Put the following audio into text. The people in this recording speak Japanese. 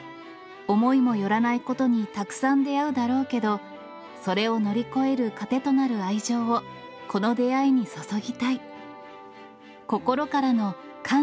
思いもよらないことにたくさん出会うだろうけど、それを乗り越える糧となる愛情を、この出会いに注ぎたい。